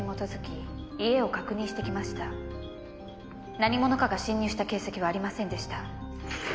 何者かが侵入した形跡はありませんでした。